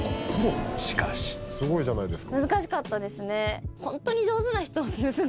すごいじゃないですか。